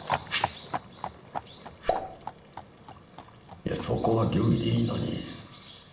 いやそこは御意でいいのに。